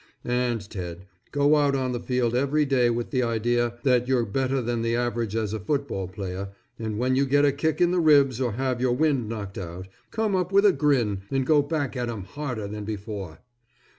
And, Ted, go out on the field every day with the idea that you're better than the average as a football player, and when you get a kick in the ribs or have your wind knocked out, come up with a grin and go back at 'em harder than before.